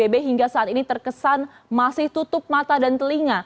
pbb hingga saat ini terkesan masih tutup mata dan telinga